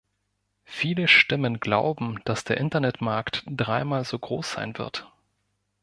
Viele Stimmen glauben, dass der Internetmarkt dreimal so groß sein wird.